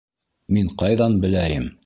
Мин ҡайҙан беләйем!